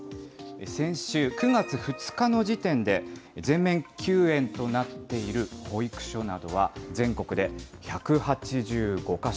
先週、９月２日の時点で、全面休園となっている保育所などは全国で１８５か所。